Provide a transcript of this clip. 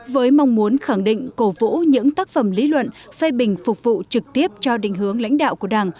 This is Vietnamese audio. với mong muốn khẳng định cổ vũ những tác phẩm lý luận phê bình phục vụ trực tiếp cho định hướng lãnh đạo của đảng